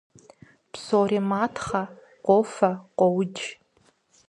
Псори матхъэ, къофэ, къуоудж…